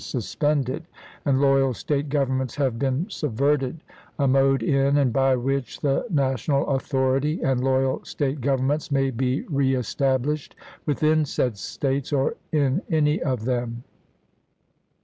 suspended, and loyal State governments have been subverted, a mode in and by which the national authority and loyal State governments may be re established within said States, or in any of them.